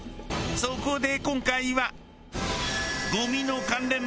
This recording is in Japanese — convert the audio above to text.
そこで今回は。